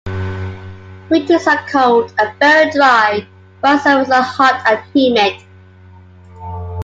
Winters are cold and very dry, while summers are hot and humid.